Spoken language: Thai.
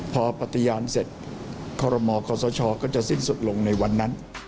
พอปฏิญาณเสร็จคอรมอคอสชก็จะสิ้นสุดลงในวันนั้น